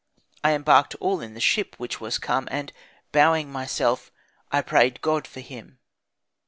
I embarked all in the ship which was come, and bowing myself, I prayed God for him.